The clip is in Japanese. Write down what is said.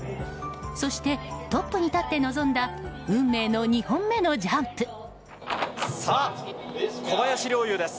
そして、トップに立って臨んだ運命の２本目のジャンプ。